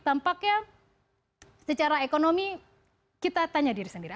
tampaknya secara ekonomi kita tanya diri sendiri